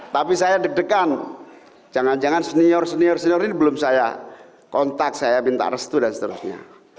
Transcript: tapi saya deg degan jangan jangan senior senior senior ini belum saya kontak saya minta restu dan seterusnya